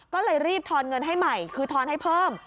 ก็เลยรีบทอนเงินให้ใหม่คือทอนให้เพิ่ม